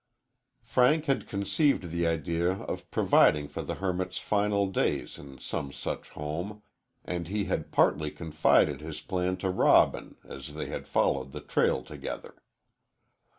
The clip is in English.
Frank had conceived the idea of providing for the hermit's final days in some such home, and he had partly confided his plan to Robin as they had followed the trail together.